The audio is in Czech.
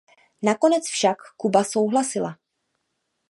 Nakonec však Kuba souhlasila.